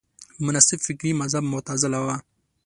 مناسب فکري مذهب معتزله وه